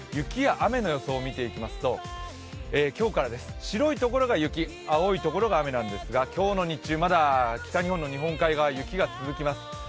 雪や雨の予想を見ていきますと今日からです白い所が雪、青い所が雨なんですが今日の日中まだ北日本の日本海側雪が続きます。